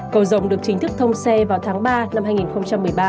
cầu rồng được chính thức thông xe vào tháng ba năm hai nghìn một mươi ba